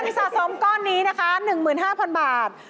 สะสมก้อนนี้นะคะ๑๕๐๐๐บาท